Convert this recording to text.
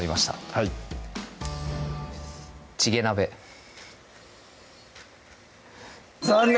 はいチゲ鍋残念！